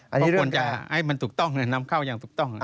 อันนี้เรื่องแรกเพราะควรจะให้มันถูกต้องนำเข้ายังถูกต้อง